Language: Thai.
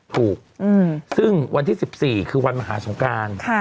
ถูกซึ่งวันที่๑๔คือวันมหาสงการ